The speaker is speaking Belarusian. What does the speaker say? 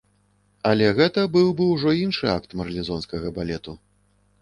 Але гэта быў бы ўжо іншы акт марлезонскага балету.